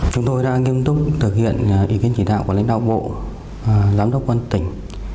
chúng tôi đã nghiêm túc thực hiện ý kiến chỉ đạo của lãnh đạo bộ giám đốc quân tỉnh